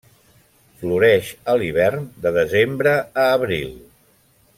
Floreix a l'hivern de desembre a abril.